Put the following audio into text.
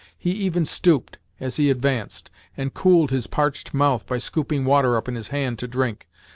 He even stooped, as he advanced, and cooled his parched mouth by scooping water up in his hand to drink.